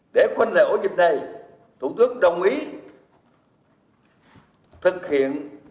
để khuân lệ ổ dịch này thủ tướng đồng ý thực hiện giãn cách